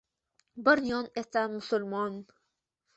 Bir yon esa — musulmon.